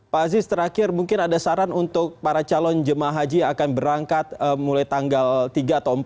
pak aziz terakhir mungkin ada saran untuk para calon jemaah haji yang akan berangkat mulai tanggal tiga atau empat